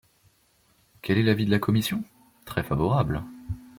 Quel est l’avis de la commission ? Très favorable.